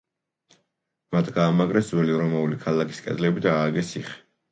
მათ გაამაგრეს ძველი რომაული ქალაქის კედლები და ააგეს ციხე.